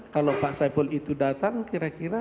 kalau saiful datang kira kira